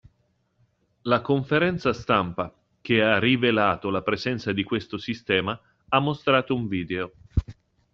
La conferenza stampa, che ha rivelato la presenza di questo sistema, ha mostrato un video.